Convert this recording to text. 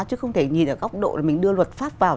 chứ không thể nhìn ở góc độ để mình đưa luật pháp vào